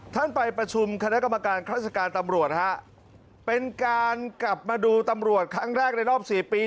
ท่านไปประชุมคณะกรรมการราชการตำรวจฮะเป็นการกลับมาดูตำรวจครั้งแรกในรอบสี่ปี